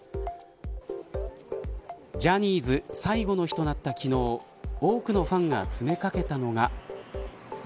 ジャニーズ最後の日となった昨日多くのファンが詰めかけたのが。